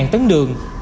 hai tấn đường